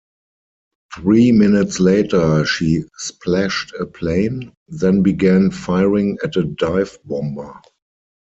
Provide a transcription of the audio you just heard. Three minutes later, she splashed a plane, then began firing at a dive bomber.